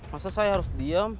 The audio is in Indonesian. masa saya harus diem